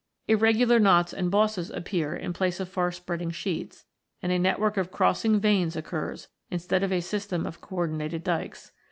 Irregular knots and bosses appear in place of far spreading sheets, and a network of crossing veins occurs, instead of a system of co ordinated dykes.